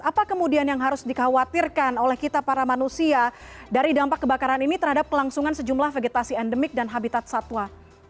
apa kemudian yang harus dikhawatirkan oleh kita para manusia dari dampak kebakaran ini terhadap kelangsungan sejumlah vegetasi endemik dan habitat satwa